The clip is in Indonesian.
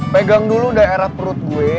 pegang dulu daerah perut gue